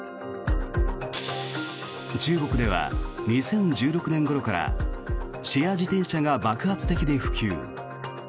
中国では２０１６年ごろからシェア自転車が爆発的に普及。